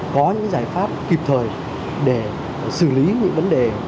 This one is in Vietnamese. có những giải pháp kịp thời để xử lý những vấn đề